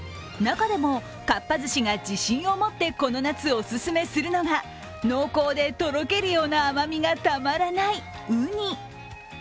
中でもかっぱ寿司が自信を持ってこの夏、お勧めするのが、濃厚でとろけるような甘みがたまらない、うに。